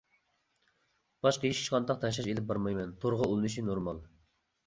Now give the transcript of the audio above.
باشقا ھېچقانداق تەڭشەش ئېلىپ بارمايمەن تورغا ئۇلىنىش نورمال.